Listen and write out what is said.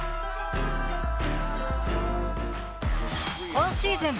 今シーズン